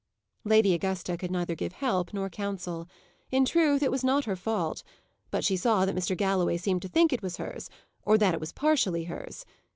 Lady Augusta could give neither help nor counsel. In good truth, it was not her fault. But she saw that Mr. Galloway seemed to think it was hers, or that it was partially hers.